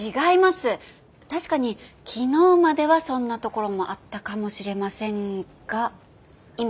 確かに昨日まではそんなところもあったかもしれませんが今はもう。